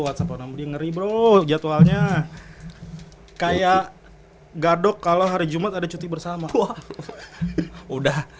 whatsapp namanya ngeri bro jadwalnya kayak gadok kalau hari jumat ada cuti bersama udah